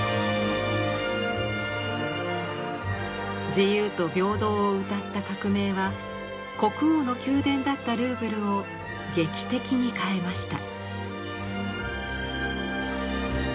自由と平等をうたった革命は国王の宮殿だったルーブルを劇的に変えました。